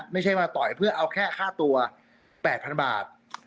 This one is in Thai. ไม่ใช่มาต่อยเพื่อเอาแค่ค่าตัว๘๐๐๐บาท